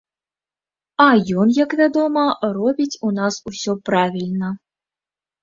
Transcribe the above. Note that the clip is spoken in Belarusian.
А ён, як вядома, робіць у нас усё правільна.